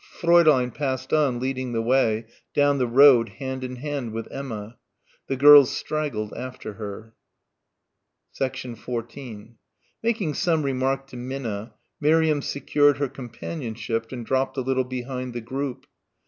Fräulein passed on leading the way, down the road hand in hand with Emma. The girls straggled after her. 14 Making some remark to Minna, Miriam secured her companionship and dropped a little behind the group.